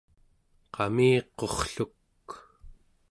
qamiqurrluk